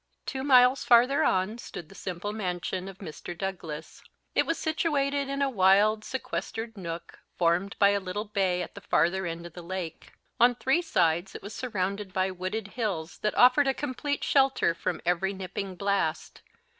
Two miles farther on stood the simple mansion of Mr. Douglas. It was situated in a wild sequestered nook, formed by a little bay at the farther end of the lake. On three sides it was surrounded by wooded hills that offered a complete shelter from every nipping blast.